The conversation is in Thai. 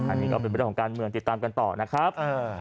อันนี้ก็เป็นเรื่องของการเมืองติดตามกันต่อนะครับ